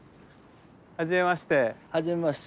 はじめまして。